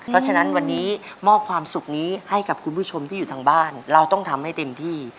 เพราะฉะนั้นวันนี้มอบความสุขนี้ให้กับคุณผู้ชมที่อยู่ทางบ้านเราต้องทำให้เต็มที่